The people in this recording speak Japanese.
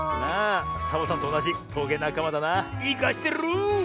サボさんとおなじトゲなかまだな。いかしてる！